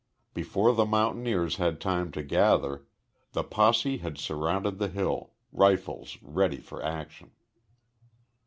Before the mountaineers had time to gather, the posse had surrounded the hill, rifles ready for action.